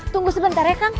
tunggu sebentar ya kang